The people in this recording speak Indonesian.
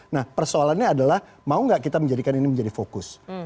nah persoalannya adalah mau nggak kita menjadikan ini menjadi fokus